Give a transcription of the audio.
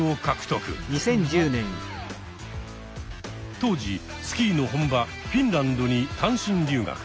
当時スキーの本場フィンランドに単身留学。